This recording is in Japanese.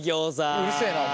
うるせえなお前。